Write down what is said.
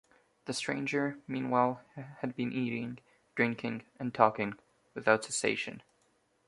The stranger, meanwhile, had been eating, drinking, and talking, without cessation.